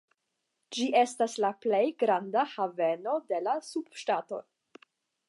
Ĝi estas la plej granda haveno de la subŝtato.